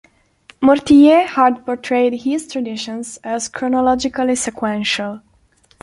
Mortillet had portrayed his traditions as chronologically sequential.